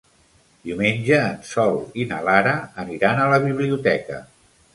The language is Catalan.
Diumenge en Sol i na Lara aniran a la biblioteca.